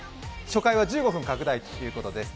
初回は１５分拡大ということです。